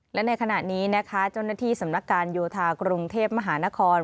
และในขณะนี้นะคะเจ้าหน้าที่สำนักการโยธากรุงเทพมหานคร